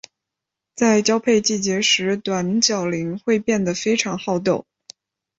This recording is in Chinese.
在交配季节时短角羚会变得非常好斗。